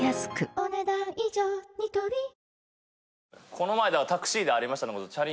この前ではタクシーでありました。